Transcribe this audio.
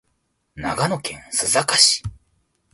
長野県須坂市